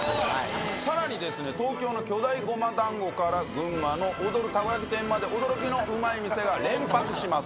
さらに東京の巨大ゴマ団子から群馬の踊るタコ焼き店まで驚きのうまい店が連発します。